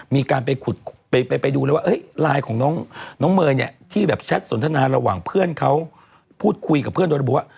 มีการไปดูแล้วว่าไลน์ของน้องเมย์ที่แชทสนทนาระหว่างเพื่อนเขาพูดคุยกับเพื่อนโดรบุว่า